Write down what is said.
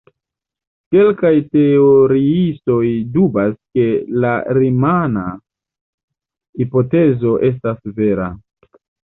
Kelkaj teoriistoj dubas ke la rimana hipotezo estas vera.